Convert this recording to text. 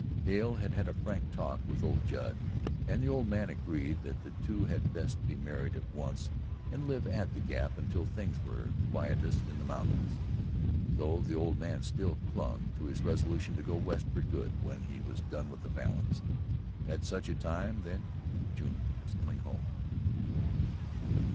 Hale had had a frank talk with old Judd and the old man agreed that the two had best be married at once and live at the Gap until things were quieter in the mountains, though the old man still clung to his resolution to go West for good when he was done with the Falins. At such a time, then, June was coming home.